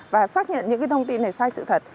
và xác nhận những cái thông tin này sai sự thật